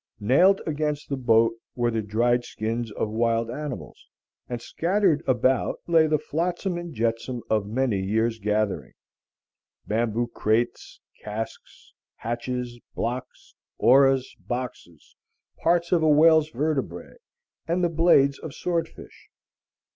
Nailed against the boat were the dried skins of wild animals, and scattered about lay the flotsam and jetsam of many years' gathering, bamboo crates, casks, hatches, blocks, oars, boxes, part of a whale's vertebrae, and the blades of sword fish.